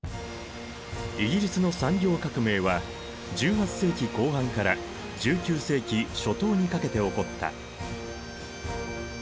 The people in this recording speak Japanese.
イギリスの産業革命は１８世紀後半から１９世紀初頭にかけて起こった。